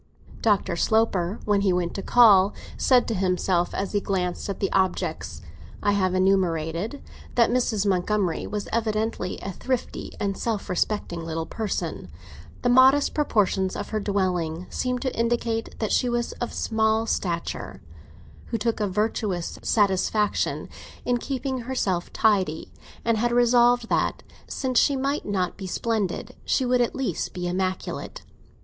Dr. Sloper, when he went to call, said to himself, as he glanced at the objects I have enumerated, that Mrs. Montgomery was evidently a thrifty and self respecting little person—the modest proportions of her dwelling seemed to indicate that she was of small stature—who took a virtuous satisfaction in keeping herself tidy, and had resolved that, since she might not be splendid, she would at least be immaculate.